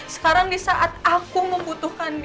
sekarang di saat aku membutuhkan dia tiap